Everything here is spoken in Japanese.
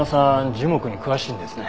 樹木に詳しいんですね。